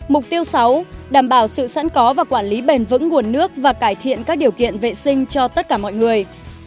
mục tiêu sáu đảm bảo sự sẵn có và quản lý bền vững nguồn nước và cải thiện các điều kiện vệ sinh cho tất cả mọi người